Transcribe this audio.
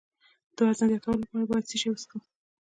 د وزن زیاتولو لپاره باید څه شی وڅښم؟